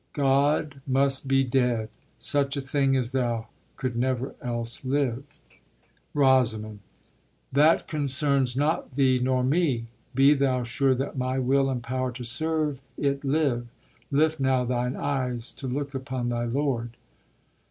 God must be Dead. Such a thing as thou could never else Live. ROSAMUND. That concerns not thee nor me. Be thou Sure that my will and power to serve it live. Lift now thine eyes to look upon thy lord.